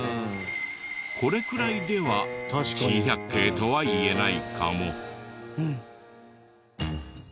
これくらいでは珍百景とは言えないかも。